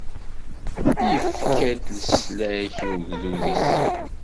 Ifka-d leslak i ugdud-is.